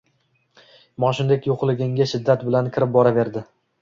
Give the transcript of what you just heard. Moshindek yo’qliginga shiddat bilan kirib boraverdi.